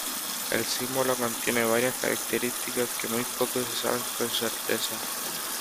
El símbolo contiene varias características que muy poco se saben con certeza.